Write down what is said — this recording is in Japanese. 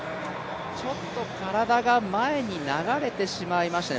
ちょっと体が前に流れてしまいましたね。